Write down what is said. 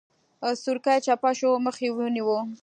سورکی چپه شو مخ يې ونيو.